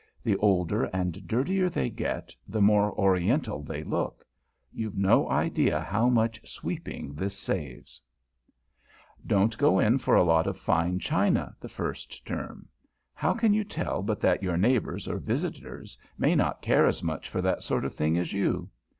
The older and dirtier they get, the more Oriental they look. You've no idea how much sweeping this saves. [Sidenote: ABOUT BRIC A BRAC] Don't go in for a lot of fine china, the first term. How can you tell but that your neighbors or visitors may not care as much for that sort of thing as you?